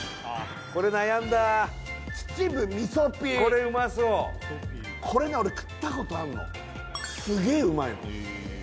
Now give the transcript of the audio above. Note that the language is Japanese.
これ悩んだ秩父みそピーこれうまそうこれね俺食ったことあんのすげえうまいのへえ